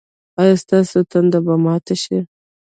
ایا ستاسو تنده به ماته شي؟